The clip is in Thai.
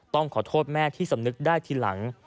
ต้องขอโทษแม่ที่สำนึกได้ทีหลัง